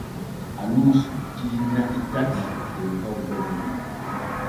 Alu sutti na'i tati der hoggo mum.